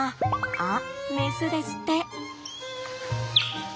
あメスですって。